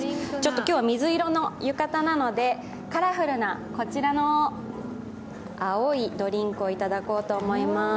今日は水色の浴衣なので、カラフルなこちらの青いドリンクをいただこうと思います。